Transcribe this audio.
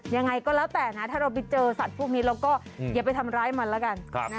ยังไงก็แล้วแต่นะถ้าเราไปเจอสัตว์พวกนี้เราก็อย่าไปทำร้ายมันแล้วกัน